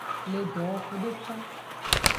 Le dowoxu deka.